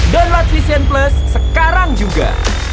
download vision plus sekarang juga